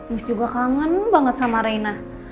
is juga kangen banget sama reina